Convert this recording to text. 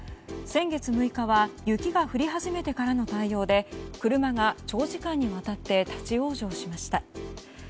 先月６日は雪が降り始めてからの対応で車が長時間にわたって立ち往生しました。